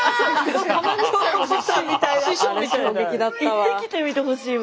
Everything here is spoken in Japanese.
行ってきてみてほしいもん。